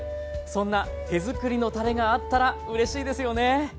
そんな手作りのたれがあったらうれしいですよね！